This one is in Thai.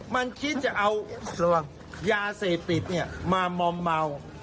มันคิดจะเอายาเสพติดมามอมเมา